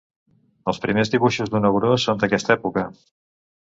Els primers dibuixos d'una grua són d'aquesta època.